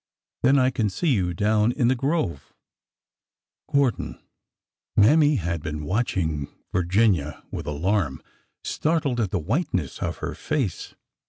Then I can see you down in the grove. '' Gordon." Mammy had been watching Virginia with alarm — startled at the whiteness of her face.